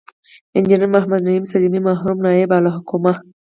انجنیر محمد نعیم سلیمي، مرحوم نایب الحکومه